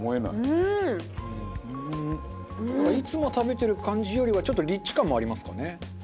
なんかいつも食べてる感じよりはちょっとリッチ感もありますかね。